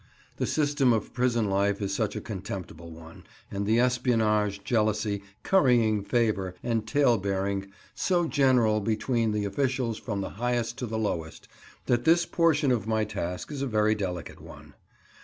The system of prison life is such a contemptible one, and the espionage, jealousy, currying favour, and tale bearing so general between the officials from the highest to the lowest, that this portion of my task is a very delicate one.